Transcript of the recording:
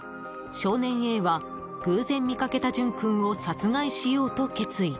少年Ａは偶然見かけた淳君を殺害しようと決意。